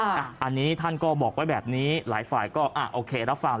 อันนี้ท่านก็บอกไว้แบบนี้หลายฝ่ายก็โอเครับฟัง